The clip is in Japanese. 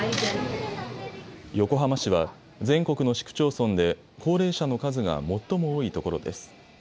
横浜市は全国の市区町村で高齢者の数が最も多いところです。